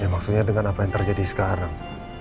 maksudnya dengan apa yang terjadi sekarang